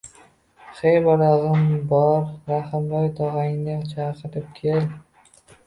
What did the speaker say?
– Hey, bola! G‘imm… Bor, Rahimboy tog‘angni chaqirib kel